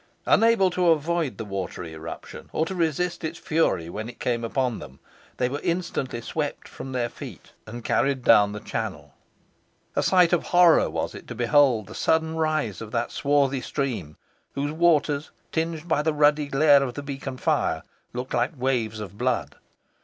Unable to avoid the watery eruption, or to resist its fury when it came upon them, they were instantly swept from their feet, and carried down the channel. A sight of horror was it to behold the sudden rise of that swarthy stream, whose waters, tinged by the ruddy glare of the beacon fire, looked like waves of blood.